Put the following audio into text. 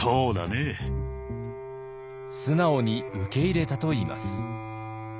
素直に受け入れたといいます。